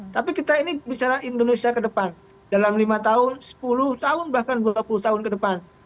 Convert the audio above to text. tapi kita ini bicara indonesia kedepan dalam lima tahun sepuluh tahun bahkan dua puluh tahun kedepan